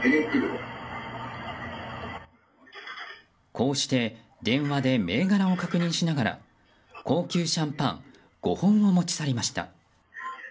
こうして電話で銘柄を確認しながら高級シャンパン５本を持ち去りました。